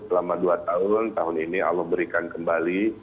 selama dua tahun tahun ini allah berikan kembali